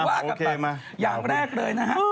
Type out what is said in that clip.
ว่ากับอย่างแรกเลยนะครับ